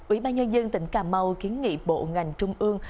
ủy ban nhân dân tỉnh cà mau kiến nghị bộ ngành trung ương